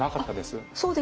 そうですか。